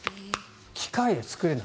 機械で作れない。